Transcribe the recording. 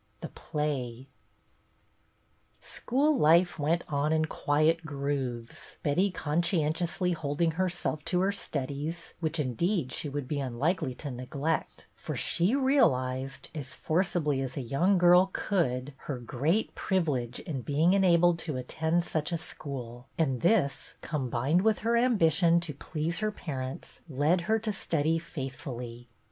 9 XI THE I'LAY S CHOOL life went on in quiet grooves, Betty conscientiously holding herself to her studies, which, indeed, she would be unlikely to neglect ; for she real ized, as forcibly as a young girl could, her great privilege in being enabled to attend such a school ; and this, combined with her ambition to please her parents, led her to study faithfully.